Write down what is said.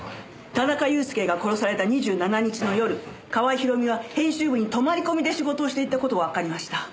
田中裕介が殺された２７日の夜川合ひろみは編集部に泊まり込みで仕事をしていた事がわかりました。